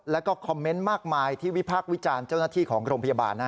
แล้วก็คอมเมนต์มากมายที่วิพากษ์วิจารณ์เจ้าหน้าที่ของโรงพยาบาล